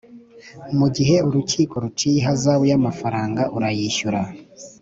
Mu gihe urukiko ruciye ihazabu y’amafaranga urayishyura